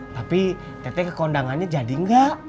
tapi teteh ke kondangannya jadi gak